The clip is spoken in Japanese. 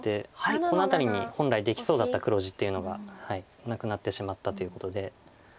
この辺りに本来できそうだった黒地っていうのがなくなってしまったということで。